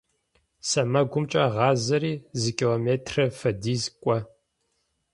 СэмэгумкӀэ гъазэри зы километрэ фэдиз кӀо.